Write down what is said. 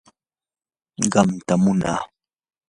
qamtam munaa.